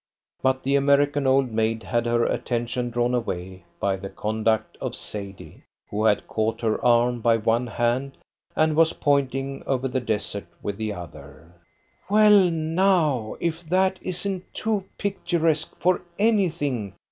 But the American old maid had her attention drawn away by the conduct of Sadie, who had caught her arm by one hand and was pointing over the desert with the other. "Well, now, if that isn't too picturesque for anything!"